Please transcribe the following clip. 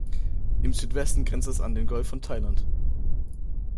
Im Südwesten grenzt es an den Golf von Thailand.